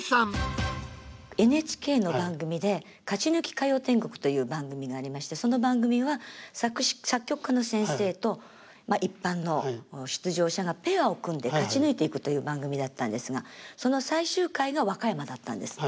ＮＨＫの番組で「勝ち抜き歌謡天国」という番組がありましてその番組は作曲家の先生と一般の出場者がペアを組んで勝ち抜いていくという番組だったんですがその最終回が和歌山だったんです。